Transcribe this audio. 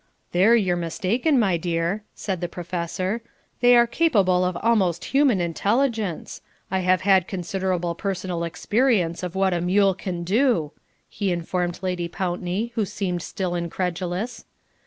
"There you're mistaken, my dear," said the Professor; "they are capable of almost human intelligence. I have had considerable personal experience of what a mule can do," he informed Lady Pountney, who seemed still incredulous.